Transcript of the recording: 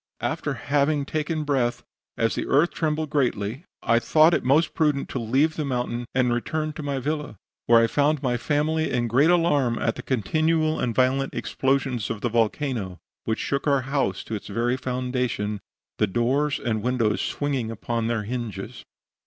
After having taken breath, as the earth trembled greatly I thought it most prudent to leave the mountain and return to my villa, where I found my family in great alarm at the continual and violent explosions of the volcano, which shook our house to its very foundation, the doors and windows swinging upon their hinges.